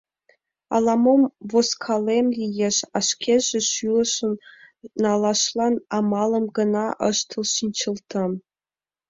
Ала-мом возкалем лиеш, а шкеже шӱлышым налашлан амалым гына ыштыл шинчылтам.